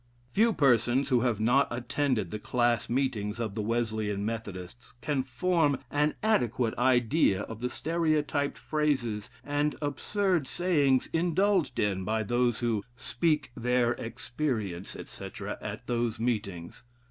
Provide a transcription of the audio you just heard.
'" Few persons who have not attended the "class meetings" of the Wesleyan Methodists can form an adequate idea of the stereotyped phrases and absurd sayings indulged in by those who "speak their experience," etc., at those meetings.